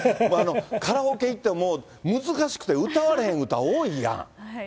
カラオケ行ってももう、難しくて、歌われへん歌、多いやん。